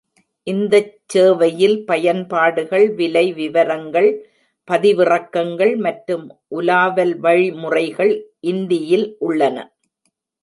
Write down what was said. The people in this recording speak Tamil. இந்தச் சேவையில் பயன்பாடுகள், விலை விவரங்கள், பதிவிறக்கங்கள் மற்றும் உலாவல் வழிமுறைகள் இந்தியில் உள்ளன.